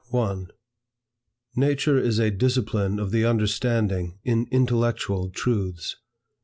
1. Nature is a discipline of the understanding in intellectual truths.